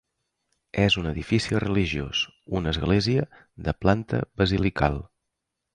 És un edifici religiós, una església de planta basilical.